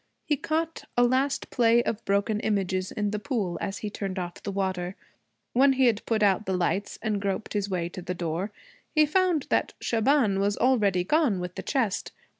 He caught a last play of broken images in the pool as he turned off the water. When he had put out the lights and groped his way to the door, he found that Shaban was already gone with the chest.